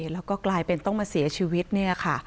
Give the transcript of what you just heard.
แล้วก็กลายเป็นต้องมาเสียชีวิตเนี่ยค่ะ